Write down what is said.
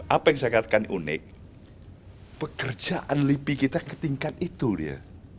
apa yang saya katakan unik pekerjaan lipi kita ke tingkat itu dia